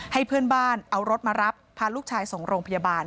ให้เพื่อนบ้านเอารถมารับพาลูกชายส่งโรงพยาบาล